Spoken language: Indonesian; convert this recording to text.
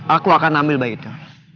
aku akan ambil bayi itu